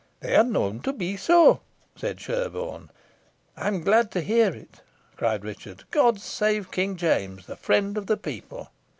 "They are known to be so," said Sherborne. "I am glad to hear it," cried Richard. "God save King James, the friend of the people!"